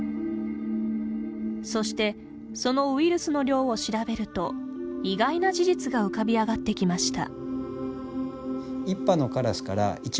そしてそのウイルスの量を調べると意外な事実が浮かび上がってきました。